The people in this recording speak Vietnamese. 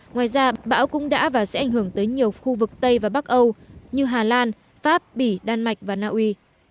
ngoài ra bão cũng đã và sẽ ảnh hưởng tới nhiều khu vực tây và bắc âu như hà lan pháp bỉ đan mạch và naui